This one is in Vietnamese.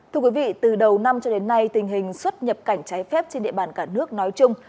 thưa quý vị từ đầu năm cho đến nay tình hình xuất nhập cảnh trái phép trên địa bàn cả nước nói chung